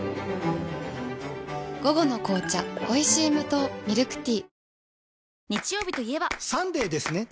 午後の紅茶おいしい無糖ミルクティー